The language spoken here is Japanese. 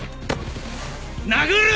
殴る！